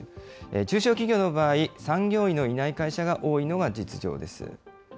中小企業の場合、産業医のいない会社が多いのが実情です。